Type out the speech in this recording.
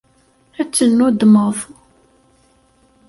Ad tennuddmeḍ.